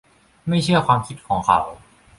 ไม่เชื่อความคิดของเขา